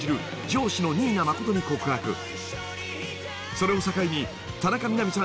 ［それを境に田中みな実さん